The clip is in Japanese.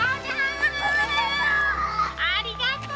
ありがとう！